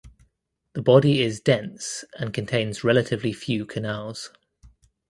The body is dense and contains relatively few canals.